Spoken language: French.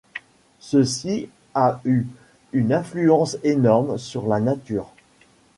Ceci a eu une influence énorme sur la nature.